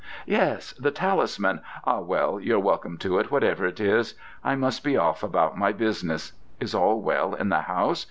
"Yes, The Talisman: ah, well, you're welcome to it, whatever it is: I must be off about my business. Is all well in the house?